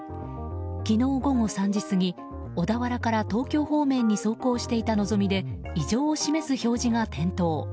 昨日午後３時過ぎ小田原から東京方面に走行していた「のぞみ」で異常を示す表示が点灯。